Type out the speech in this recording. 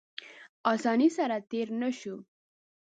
اسانۍ سره تېر نه شو.